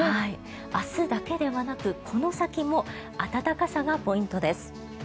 明日だけではなくこの先も暖かさがポイントです。